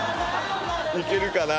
いけるかな？